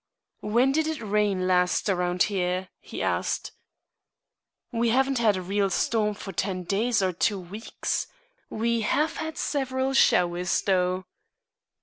"When did it rain last around here?" he asked. "We haven't had a real storm for ten days or two weeks. We have had several showers, though."